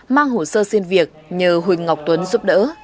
mang hồ sơ xin việc nhờ huỳnh ngọc tuấn giúp đỡ